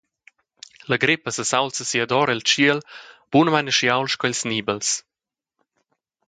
La greppa sesaulza siadora en tschiel, bunamein aschi ault sco ils nibels.